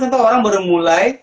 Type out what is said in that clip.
contoh orang baru mulai